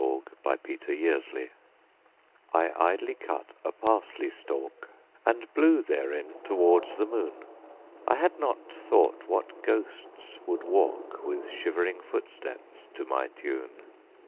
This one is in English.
ON A MIDSUMMER EVE I IDLY cut a parsley stalk, And blew therein towards the moon; I had not thought what ghosts would walk With shivering footsteps to my tune.